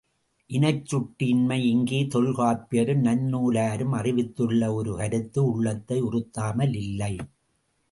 இனச் சுட்டு இன்மை இங்கே தொல்காப்பியரும் நன்னூலாரும் அறிவித்துள்ள ஒரு கருத்து உள்ளத்தை உறுத்தாமல் இல்லை.